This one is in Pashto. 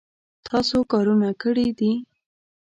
تاسو کارونه کړي دي